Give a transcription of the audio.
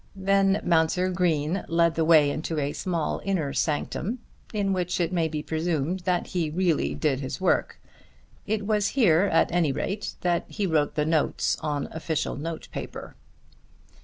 Then Mounser Green led the way into a small inner sanctum in which it may be presumed that he really did his work. It was here at any rate that he wrote the notes on official note paper.